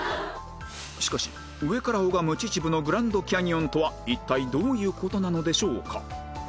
しかし上から拝む秩父のグランドキャニオンとは一体どういう事なのでしょうか？